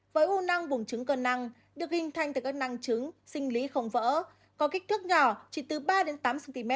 với u năng buồng trứng cơ năng được hình thành từ các năng trứng sinh lý không vỡ có kích thước nhỏ chỉ từ ba tám cm